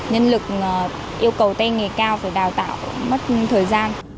nhân lực yêu cầu tay nghề cao phải đào tạo mất thời gian